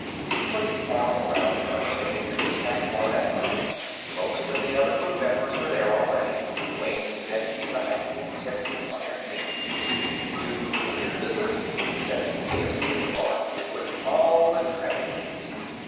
He put his arm around her and they entered the snack bar that way. Most of the other crew members were there already; Wayne sensed the heightening tenseness on their faces. "Two nuclear fizzes," he said to the pfc at the bar. "With all the trimmings."